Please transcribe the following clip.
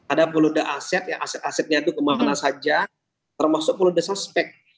ada follow the asset yang aset asetnya itu kemana saja termasuk follow the suspect